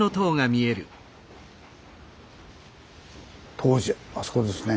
東寺あそこですね。